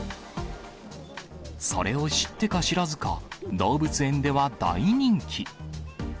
それを知ってか知らずか、動物園では大人気。